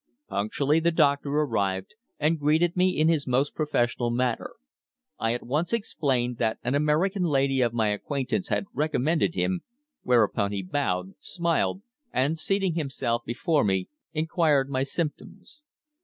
Punctually the doctor arrived, and greeted me in his most professional manner. I at once explained that an American lady of my acquaintance had recommended him, whereupon he bowed, smiled, and seating himself before me inquired my symptoms.